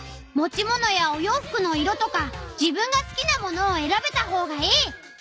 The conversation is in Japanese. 持ち物やお洋服の色とか自分がすきなものをえらべた方がいい！